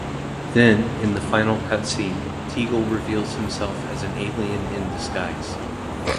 Then, in the final cutscene, Tegel reveals himself as an alien in disguise.